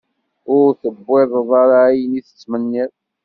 Ur tewwiḍeḍ ara ayen i tettmenniḍ.